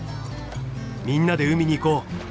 「みんなで海に行こう」。